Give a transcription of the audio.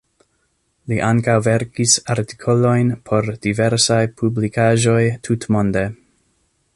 Li ankaŭ verkis artikolojn por diversaj publikaĵoj tutmonde.